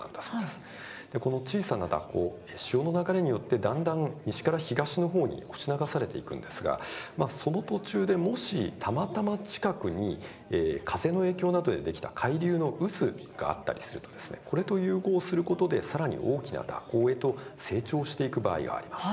この小さな蛇行潮の流れによってだんだん西から東のほうに押し流されていくんですがその途中で、もしたまたま近くに風の影響などでできた海流の渦があったりするとこれと融合することでさらに大きな蛇行へと成長していく場合があります。